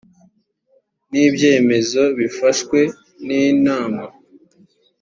n ibyemezo bifashwe n inama